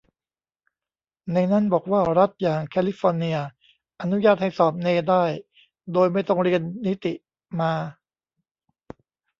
ในนั้นบอกว่ารัฐอย่างแคลิฟอร์เนียอนุญาตให้สอบเนได้โดยไม่ต้องเรียนนิติมา